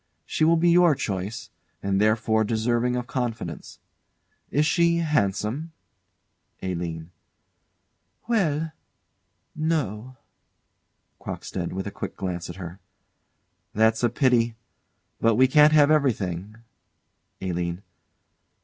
She will be your choice; and therefore deserving of confidence. Is she handsome? ALINE. Well no. CROCKSTEAD. [With a quick glance at her.] That's a pity. But we can't have everything. ALINE.